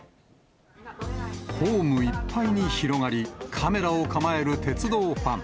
ホームいっぱいに広がり、カメラを構える鉄道ファン。